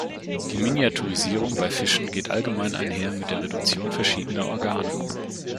Die Miniaturisierung bei Fischen geht allgemein einher mit der Reduktion verschiedener Organe.